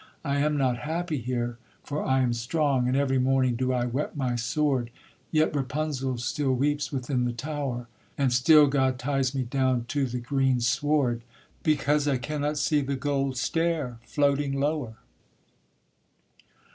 I am not happy here, for I am strong, And every morning do I whet my sword, Yet Rapunzel still weeps within the tower, And still God ties me down to the green sward, Because I cannot see the gold stair floating lower.